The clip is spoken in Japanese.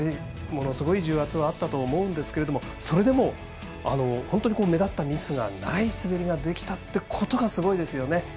ものすごい重圧はあったとは思うんですけどもそれでも本当に目立ったミスがない滑りができたってことがすごいですよね。